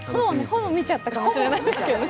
ほぼ見ちゃったかもしれないですけど。